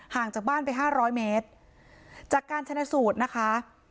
ห่างจากบ้านไปห้าร้อยเมตรจากการชนะสูตรนะคะ